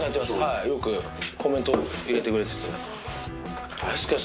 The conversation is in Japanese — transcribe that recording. はいよくコメント入れてくれてて。